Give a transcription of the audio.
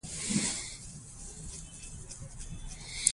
اداري مقررات د عدالت معیار ټاکي.